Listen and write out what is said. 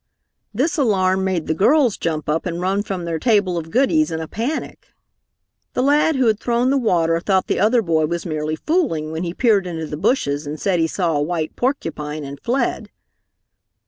This alarm made the girls jump up and run from their table of goodies in a panic. The lad who had thrown the water thought the other boy was merely fooling when he peered into the bushes and said he saw a white porcupine and fled.